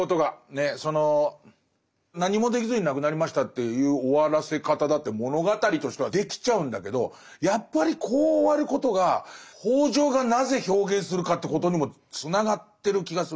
その何もできずに亡くなりましたっていう終わらせ方だって物語としてはできちゃうんだけどやっぱりこう終わることが北條がなぜ表現するかということにもつながってる気がする。